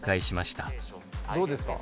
どうですか？